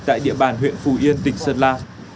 tại địa bàn huyện phủ yên tỉnh sơn la